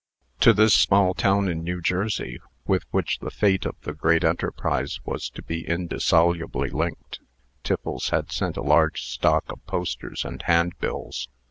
To this small town in New Jersey, with which the fate of the great enterprise was to be indissolubly linked, Tiffles had sent a large stock of posters and handbills.